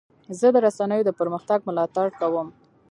زه د رسنیو د پرمختګ ملاتړ کوم.